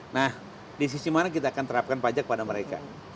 nah di sisi mana kita akan terapkan pajak pada mereka